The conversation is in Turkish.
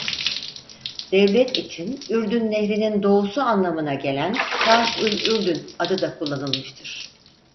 Devlet için Ürdün Nehri'nin doğusu anlamına gelen "Şark'ül Ürdün" adı da kullanılmıştır.